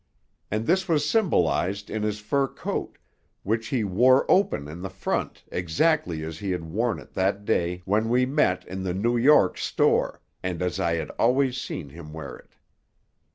And this was symbolized in his fur coat, which he wore open in the front exactly as he had worn it that day when we met in the New York store, and as I had always seen him wear it.